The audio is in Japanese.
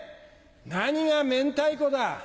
何が明太子だ。